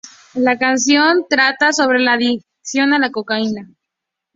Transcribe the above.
La canción trata sobre la adicción a la cocaína.